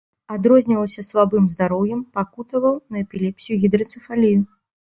Адрозніваўся слабым здароўем, пакутаваў на эпілепсію і гідрацэфалію.